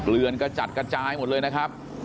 เรือนกระจัดกระจายหมดเลยนะครับ